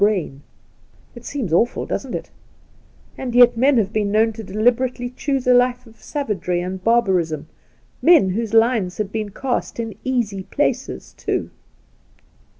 brain !. It seems awful, doesn't it 1 and yet men have been known to deliberately choose a life of savagery and barbarism — men whose lines had been cast in easy places, too